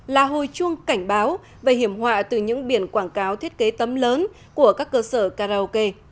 là hồi chuông cảnh báo về hiểm họa từ những biển quảng cáo thiết kế tấm lớn của các cơ sở karaoke